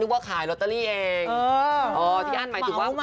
ฟังว่าขายลอตเตอรี่เอง